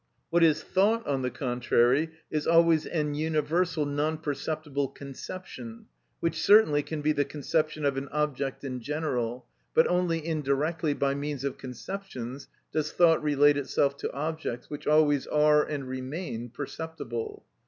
What is thought, on the contrary, is always an universal non perceptible conception, which certainly can be the conception of an object in general; but only indirectly by means of conceptions does thought relate itself to objects, which always are and remain perceptible.